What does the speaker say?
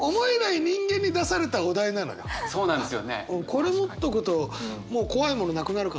これ持っとくともう怖いものなくなるかもね。